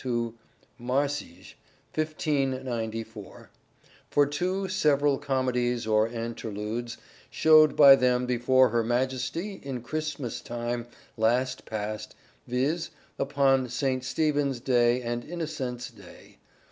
to Marcij, 1594, for twoe several comedies or enterludes showed by them before her Majestic in Christmas tyme laste paste viz. upon St. Stephens daye and innocentes daye